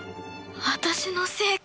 私のせいか？